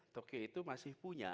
tokyo itu masih punya